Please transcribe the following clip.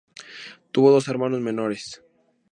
Tuvo dos hermanos menores.